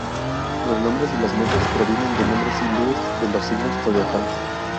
Los nombres de los meses provienen de nombres hindúes de los signos zodiacales.